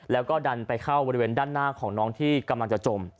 แล้วก็ดันไปเข้าบริเวณด้านหน้าของน้องที่กำลังจะจม